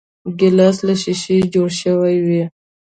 ګیلاس له شیشې جوړ شوی وي.